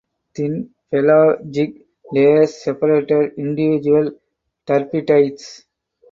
Thin pelagic layers separated individual turbidites.